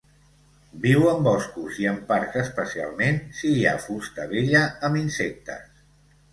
Viu en boscos i en parcs especialment si hi ha fusta vella amb insectes.